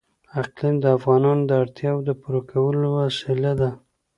اقلیم د افغانانو د اړتیاوو د پوره کولو وسیله ده.